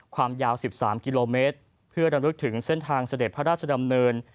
ความยาว๑๓กิโลเมตรเพื่อรำลึกถึงเส้นทางเสด็จพระราชดำเนิน